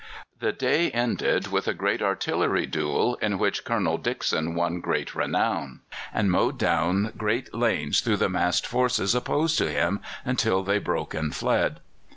The day ended with a great artillery duel, in which Colonel Dickson won great renown, and mowed down great lanes through the massed forces opposed to him, until they broke and fled.